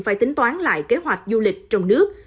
phải tính toán lại kế hoạch du lịch trong nước